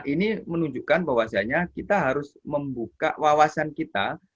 ini menunjukkan bahwasanya kita harus membuka wawasan kita